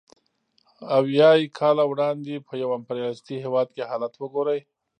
اویای کاله وړاندې په یو امپریالیستي هېواد کې حالت وګورئ